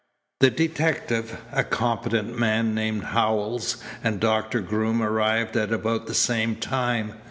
The detective, a competent man named Howells, and Doctor Groom arrived at about the same time.